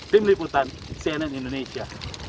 tim liputan cnn indonesia